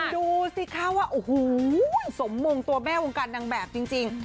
นานมากคุณดูสิครับ